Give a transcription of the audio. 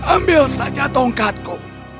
ambil saja tongkatku